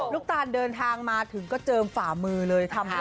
ลูกตาลเดินทางมาถึงก็เจิมฝ่ามือเลย